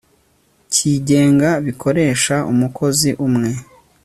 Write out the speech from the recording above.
cyigenga bikoresha umukozi umwe